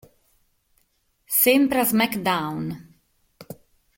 Sempre a "SmackDown!